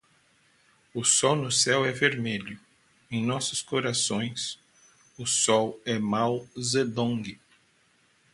O sol no céu é vermelho, em nossos corações, o sol é Mao Zedong